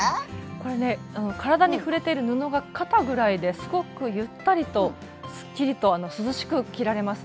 これね体に触れている布が肩ぐらいですごくゆったりとすっきりと涼しく着られます。